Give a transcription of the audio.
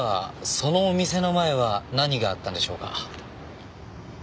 そのお店の前は何があったんでしょうか？